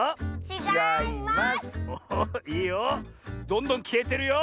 どんどんきえてるよ！